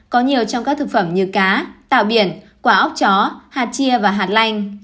có nhiều trong các thực phẩm như cá tạo biển quả ốc chó hạt chia và hạt lanh